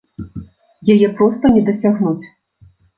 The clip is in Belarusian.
Яе проста не дасягнуць!